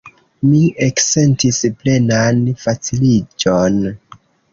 Mi eksentis plenan faciliĝon.